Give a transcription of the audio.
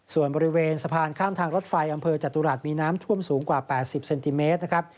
ส่วนบริเวณสะพานข้ามทางรถไฟอำเภอจตุรัสมีน้ำท่วมสูงกว่า๘๐เซนติเมตรนะครับ